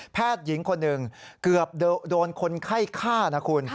หญิงคนหนึ่งเกือบโดนคนไข้ฆ่านะคุณ